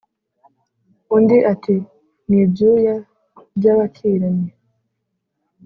undi ati n i ibyuya by' abakiranyi